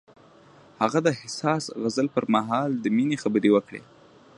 هغه د حساس غزل پر مهال د مینې خبرې وکړې.